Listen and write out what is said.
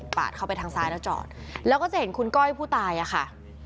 เข้าไปทางซ้ายแล้วจอดแล้วก็จะเห็นคุณก้อยผู้ตายอ่ะค่ะ